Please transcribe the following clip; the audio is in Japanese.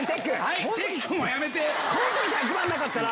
この時１００万なかったら。